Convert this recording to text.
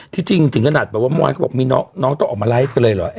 จริงถึงขนาดแบบว่าเมื่อวานเขาบอกมีน้องต้องออกมาไลฟ์กันเลยเหรอ